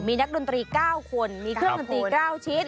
มีนักดนตรี๙คนมีเครื่องดนตรี๙ชิ้น